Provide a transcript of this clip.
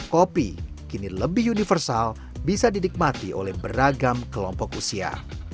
kopi kini lebih universal bisa dinikmati oleh beragam kelompok usia